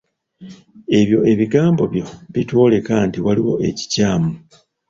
Ebyo ebigambo byo bitwoleka nti waliwo ekikyamu.